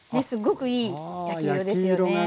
すごくいい焼き色ですよね。